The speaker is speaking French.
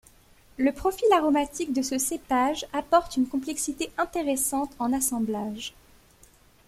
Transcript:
Le profil aromatique de ce cépage apporte une complexité intéressante en assemblages.